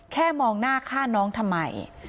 มองหน้าฆ่าน้องทำไม